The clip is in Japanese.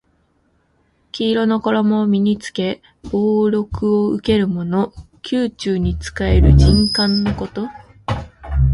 黄色の衣を身に着け俸禄を受けるもの。宮中に仕える宦官のこと。